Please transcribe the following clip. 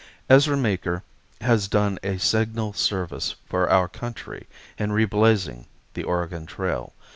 Ezra Meeker has done a signal service for our country in reblazing the Oregon Trail.